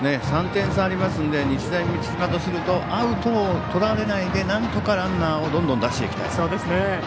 ３点差ありますので日大三島からするとアウトを取られないでなんとかランナーをどんどん出していきたい。